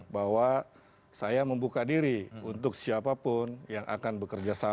bahwa saya membuka diri untuk siapapun yang akan bekerja sama